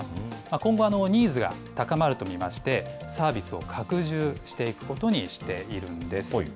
今後、ニーズが高まると見まして、サービスを拡充していくことにしているんです。